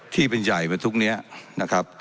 ที่เป็นใหญ่กว่าทุกนี้นะครับ